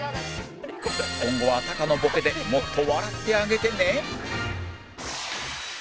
今後はタカのボケでもっと笑ってあげてね